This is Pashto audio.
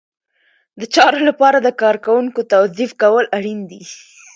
د چارو لپاره د کارکوونکو توظیف کول اړین دي.